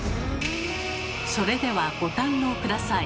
それではご堪能下さい。